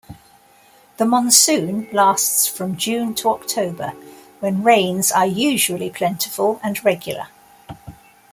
The monsoon lasts from June to October, when rains are usually plentiful and regular.